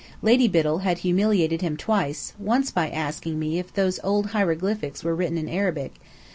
Lady Biddell had humiliated him twice, once by asking me if "those old hieroglyphics were written in Arabic?"